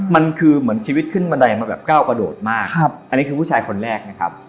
มันคือเหมือนชีวิตขึ้นบันไดมาแบบก้าวกระโดดมากอันนี้คือผู้ชายคนแรกนะครับ